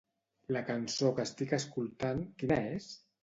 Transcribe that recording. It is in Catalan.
La cançó que estic escoltant, quina és?